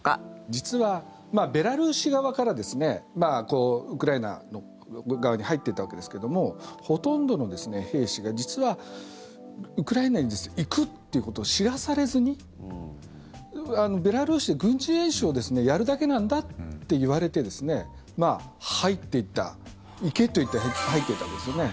実は、ベラルーシ側からウクライナ側に入っていったわけですけどもほとんどの兵士が実は、ウクライナに行くっていうことを知らされずにベラルーシで軍事演習をやるだけなんだって言われて入っていった、行けと言って入っていったわけですよね。